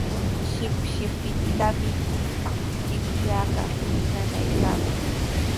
Shipshipitanami chiqllaaqa nanaykaaman.